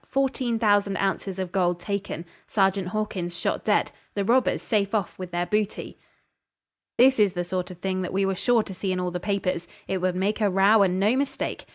Fourteen thousand ounces of gold taken. Sergeant Hawkins shot dead. The robbers safe off with their booty.' This is the sort of thing that we were sure to see in all the papers. It would make a row and no mistake.